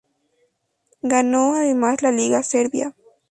Ganó además la liga serbia.